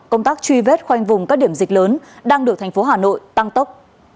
công tác truy vết khoanh vùng các điểm dịch lớn đang được thành phố hà nội tăng tốc